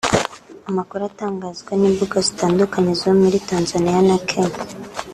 Amakuru atangazwa n’imbuga zitandukanye zo muri Tanzania na Kenya